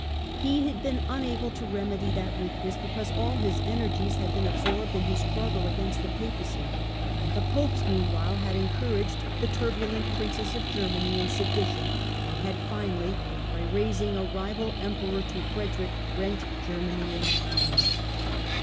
He had been unable to remedy that weakness because all his energies had been absorbed in his struggle against the Papacy, and the Popes meanwhile had en couraged the turbulent Princes of Germany in sedition and had finally, by raising a rival Emperor to Frederick, rent Germany in twain.